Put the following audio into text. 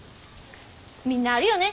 みんなあるよね。